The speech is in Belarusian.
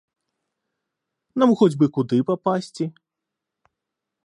Нам хоць бы куды папасці.